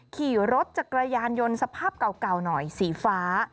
ขี่รถจักรยานยนต์สภาพเก่าหน่อยสีฟ้า